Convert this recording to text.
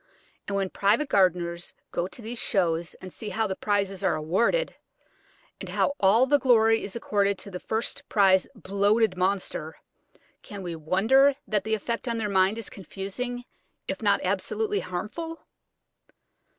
And when private gardeners go to these shows and see how the prizes are awarded, and how all the glory is accorded to the first prize bloated monster, can we wonder that the effect on their minds is confusing, if not absolutely harmful?